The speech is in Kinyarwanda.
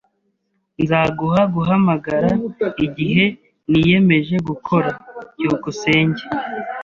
Nzaguha guhamagara igihe niyemeje gukora. byukusenge